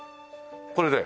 これで？